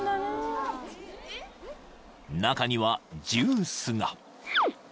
［中にはジュースが］